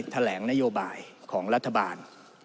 แถลงนโยบายของรัฐบาล